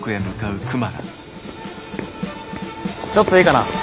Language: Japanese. ちょっといいかな？